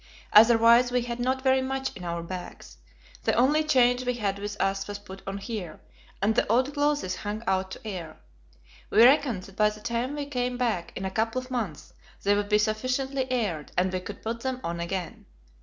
Otherwise, we had not very much in our bags. The only change we had with us was put on here, and the old clothes hung out to air. We reckoned that by the time we came back, in a couple of months, they would be sufficiently aired, and we could put them on again.